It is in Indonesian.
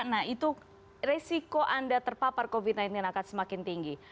nah itu resiko anda terpapar covid sembilan belas akan semakin tinggi